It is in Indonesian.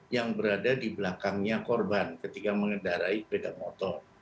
yang berada di belakangnya korban ketika mengendarai sepeda motor